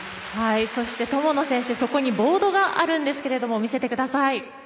そして、友野選手、そこにボードがあるんですけれども見せてください。